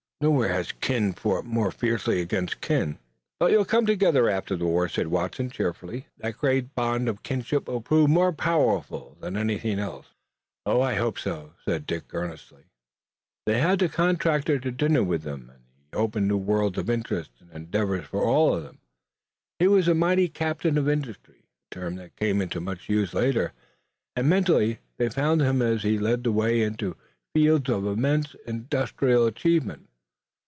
Nowhere has kin fought more fiercely against kin." "But you'll come together again after the war," said Watson cheerfully. "That great bond of kinship will prove more powerful than anything else." "I hope so," said Dick earnestly. They had the contractor to dinner with them, and he opened new worlds of interest and endeavor for all of them. He was a mighty captain of industry, a term that came into much use later, and mentally they followed him as he led the way into fields of immense industrial achievement.